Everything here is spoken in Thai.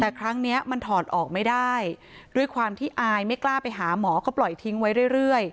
แต่ครั้งนี้มันถอดออกไม่ได้ด้วยความที่อายไม่กล้าไปหาหมอก็ปล่อยทิ้งไว้เรื่อย